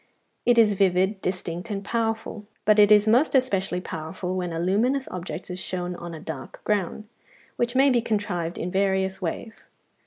It is vivid, distinct, and powerful; but it is most especially powerful when a luminous object is shown on a dark ground, which may be contrived in various ways.